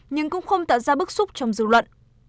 nhưng cũng không tạo ra bức xúc trong dư luận